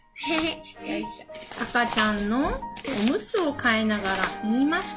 「あかちゃんのおむつをかえながらいいました。